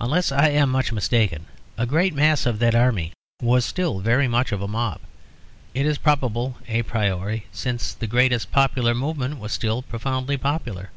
Unless I am much mistaken, a great mass of that army was still very much of a mob. It is probable a priori, since the great popular movement was still profoundly popular.